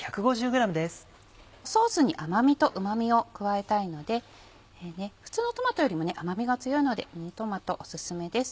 ソースに甘みとうま味を加えたいので普通のトマトよりも甘みが強いのでミニトマトおすすめです。